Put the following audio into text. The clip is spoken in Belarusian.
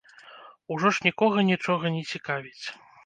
Ужо ж нікога нічога не цікавіць.